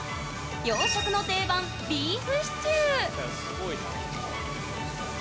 洋食の定番ビーフシチュー。